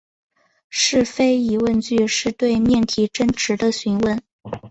是非疑问句是对命题真值的询问。